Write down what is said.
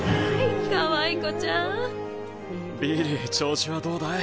ビリー調子はどうだい？